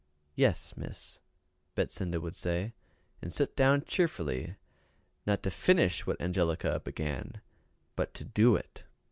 "Yes, Miss," Betsinda would say, and sit down very cheerful, not to finish what Angelica began, but to do it.